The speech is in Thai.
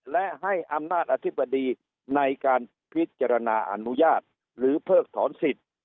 และให้อำนาจอธิบดีในการพิจารณาอนุญาตหรือเพิกถอนสิทธิ์